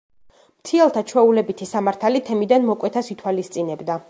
მთიელთა ჩვეულებითი სამართალი თემიდან მოკვეთას ითვალისწინებდა.